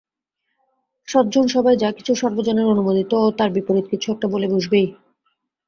সজ্জনসভায় যা-কিছু সর্বজনের অনুমোদিত ও তার বিপরীত কিছু-একটা বলে বসবেই।